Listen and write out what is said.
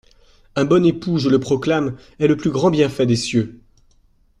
Un bon époux, je le proclame, Est le plus grand bienfait des cieux !…